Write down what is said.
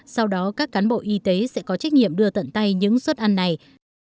sau đó các cán bộ y tế sẽ có trách nhiệm đưa tận tay những suất ăn này